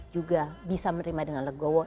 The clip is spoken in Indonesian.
juga bisa menerima dengan legowo